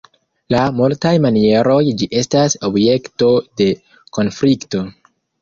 Laŭ multaj manieroj ĝi estas objekto de konflikto.